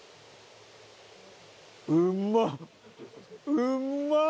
うんまっ！